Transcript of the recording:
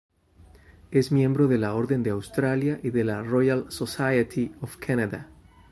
Es miembro de la Orden de Australia y de la Royal Society of Canada.